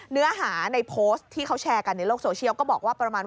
เนื้อหาในโปสต์ที่เค้าแชร์กันในโลกโทรศีลก็บอกว่า